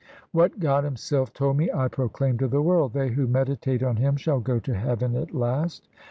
What God Himself told me I proclaim to the world. They who meditate on Him shall go to heaven at last.